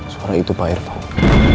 suara itu pak irfan